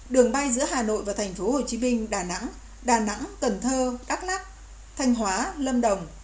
đường bay giữa hà nội và tp hcm đà nẵng đà nẵng cần thơ đắk lắc thanh hóa lâm đồng